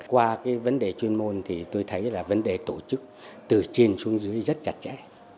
qua cái vấn đề chuyên môn thì tôi thấy là vấn đề tổ chức từ trên xuống dưới rất chặt chẽ